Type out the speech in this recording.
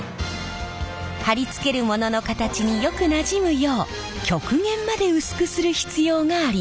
貼り付けるものの形によくなじむよう極限まで薄くする必要があります。